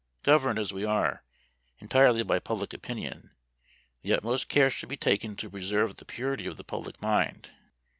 Governed, as we are, entirely by public opinion, the utmost care should be taken to preserve the purity of the public mind.